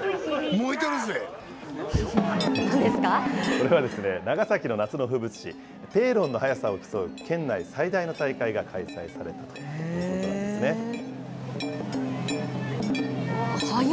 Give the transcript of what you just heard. これはですね、長崎の夏の風物詩、ペーロンの速さを競う県内最大の大会が開催されているということ速い。